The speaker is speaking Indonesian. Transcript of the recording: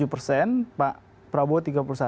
tiga puluh tujuh persen pak prabowo